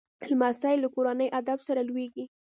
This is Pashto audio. لمسی له کورني ادب سره لویېږي